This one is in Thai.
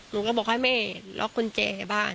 ลุงเรี้ยงได้แบบนี้